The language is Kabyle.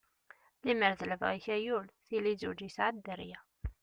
Limer d libɣi-k ayul, tili yezweǧ yesɛa dderya.